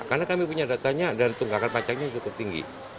karena kami punya datanya dan tunggakan pajaknya cukup tinggi